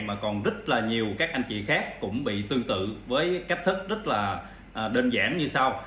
mà còn rất là nhiều các anh chị khác cũng bị tương tự với cách thức rất là đơn giản như sau